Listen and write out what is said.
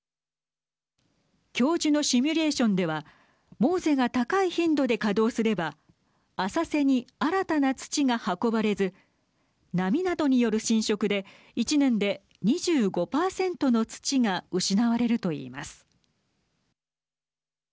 教授のシミュレーションではＭｏＳＥが高い頻度で稼働すれば浅瀬に新たな土が運ばれず波などによる浸食で１年で２５％の土が失われると言います。